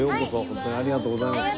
ホントにありがとうございます。